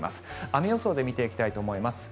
雨予想で見ていきたいと思います。